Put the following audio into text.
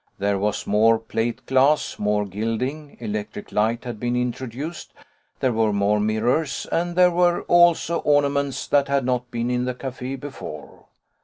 There was more plate glass, more gilding; electric light had been introduced, there were more mirrors, and there were also ornaments that had not been in the café before.